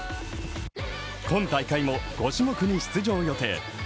今大会も５種目に出場予定。